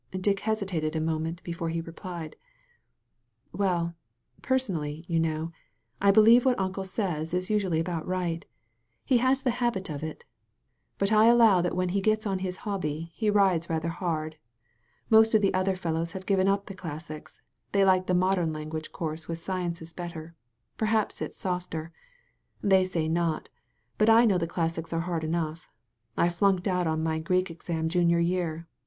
Dick hesitated a moment before he replied: "Well, personally, you know, I believe what Uncle says is usually about right. He has the habit 204 A CLASSIC INSTANCE of it. But I allow when he gets on his hobby he rides rather hard. Most of the other fellows have given up the classics — they like the modem language course with sciences better — perhaps it's softer. They say not; but I know the classics are hard enough. I flunked out on my Greek exam junior year.